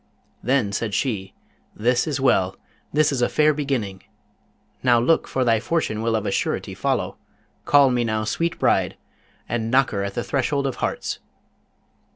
Then said she, 'This is well! this is a fair beginning! Now look, for thy fortune will of a surety follow. Call me now sweet bride, and knocker at the threshold of hearts!'